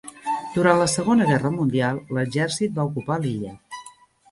Durant la Segona Guerra Mundial, l'exèrcit va ocupar l'illa.